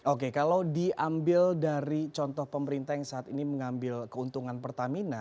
oke kalau diambil dari contoh pemerintah yang saat ini mengambil keuntungan pertamina